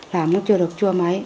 làm nó chưa được chua mấy